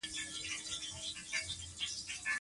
ټوسټ ډوډۍ خوندوره ده.